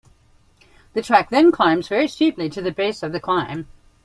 The track then climbs very steeply to the base of the climb.